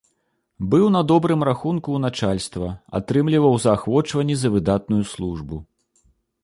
Быў на добрым рахунку ў начальства, атрымліваў заахвочванні за выдатную службу.